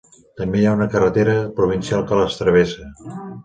També hi ha una carretera provincial que les travessa.